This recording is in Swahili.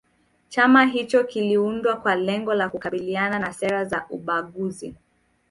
chama hicho kiliundwa kwa lengo la kukabiliana na sera za ubaguzi